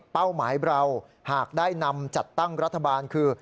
หมายเราหากได้นำจัดตั้งรัฐบาลคือ